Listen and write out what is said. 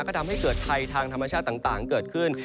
ก็ทำให้เกิดภัยทางธรรมชาติต่างเกิดขึ้น